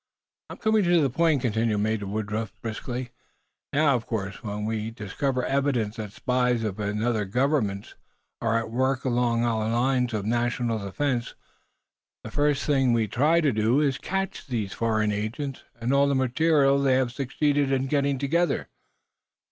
"I'm coming to the point," continued Major Woodruff, briskly. "Now, of course, when we discover evidence that spies of other governments are at work along our lines of national defenses, the first thing we try to do is to catch these foreign agents and all the material they have succeeded in getting together."